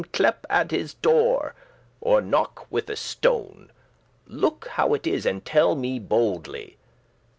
Clepe* at his door, or knocke with a stone: *call Look how it is, and tell me boldely."